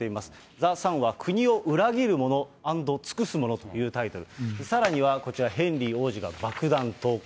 ザ・サンは、国を裏切る者＆尽くす者というタイトル、さらにはこちら、ヘンリー王子が爆弾投下。